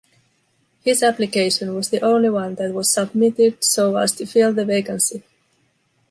His application was the only one that was submitted so as to fill the vacancy.